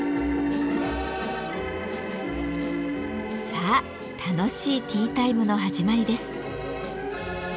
さあ楽しいティータイムの始まりです。